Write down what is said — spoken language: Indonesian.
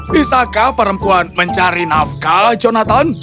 bisakah perempuan mencari nafkah jonathan